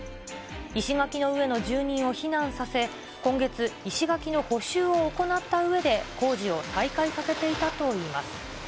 石垣の上の住人を避難させ、今月、石垣の補修を行ったうえで、工事を再開させていたといいます。